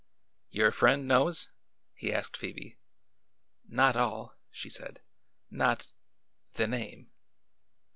"Your friend knows?" he asked Phoebe. "Not all," she said. "Not the name."